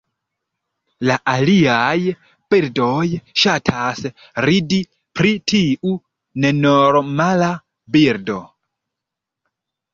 La aliaj birdoj ŝatas ridi pri tiu nenormala birdo.